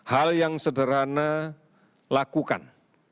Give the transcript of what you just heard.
hal yang sederhana lakukan